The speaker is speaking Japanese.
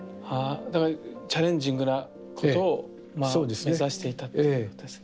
だからチャレンジングなことを目指していたっていうことですね。